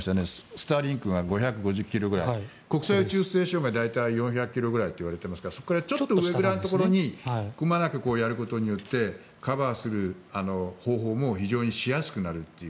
スターリンクが５５０ｋｍぐらい国際宇宙ステーションが大体４００ｋｍぐらいといわれていますからそこからちょっと上ぐらいのところにくまなくやることによってカバーする方法も非常にしやすくなるという。